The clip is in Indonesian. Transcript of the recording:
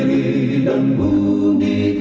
jangan beralih back to office